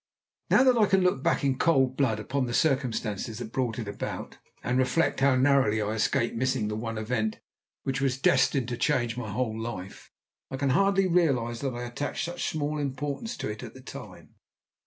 Now that I can look back in cold blood upon the circumstances that brought it about, and reflect how narrowly I escaped missing the one event which was destined to change my whole life, I can hardly realize that I attached such small importance to it at the time.